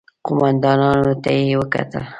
قوماندانانو ته يې وکتل.